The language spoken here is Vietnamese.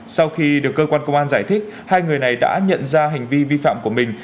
sau khi được cơ quan công an giải thích hai người này đã nhận ra hành vi vi phạm của mình